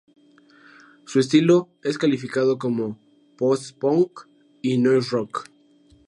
Su estilo es calificado como Post-punk y Noise rock.